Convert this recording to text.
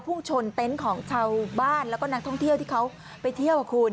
พุ่งชนเต็นต์ของชาวบ้านแล้วก็นักท่องเที่ยวที่เขาไปเที่ยวคุณ